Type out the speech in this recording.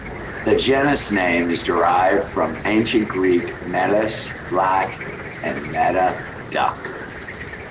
The genus name is derived from Ancient Greek "melas", "black", and "netta", "duck".